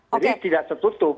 jadi tidak tertutup